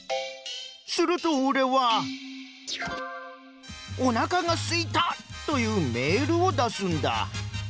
するとオレは「おなかがすいた！」というメールをだすんだ。